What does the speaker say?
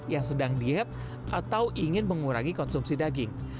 yang sedang diet atau ingin mengurangi konsumsi daging